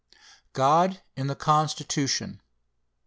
GOD IN THE CONSTITUTION.